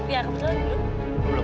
ya kebetulan belum